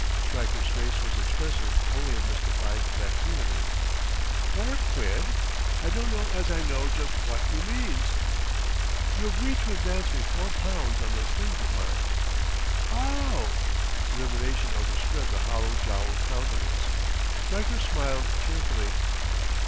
Stryker's face was expressive only of mystified vacuity. "Four quid? I dunno as I know just wot you means." "You agreed to advance me four pounds on those things of mine...." "Ow w!" Illumination overspread the hollow jowled countenance. Stryker smiled cheerfully.